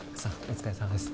お疲れさまです